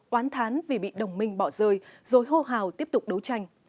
oán thán vì bị đồng minh bỏ rơi rồi hô hào tiếp tục đấu tranh